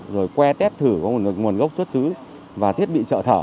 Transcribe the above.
rồi que tét thử có nguồn gốc xuất xứ và thiết bị trợ thở